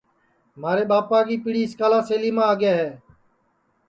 مھارے ٻاپا کی پِڑی اِسکا سیلیما آگے ہے